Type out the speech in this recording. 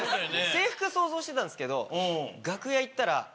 制服を想像してたんですけど楽屋行ったら。